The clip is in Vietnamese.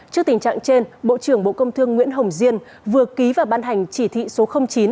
trước tình trạng trên bộ trưởng bộ công thương nguyễn hồng diên vừa ký và ban hành chỉ thị số chín